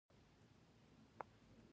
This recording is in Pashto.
که انسان هیله وساتي، نو زړه به نه ماتيږي.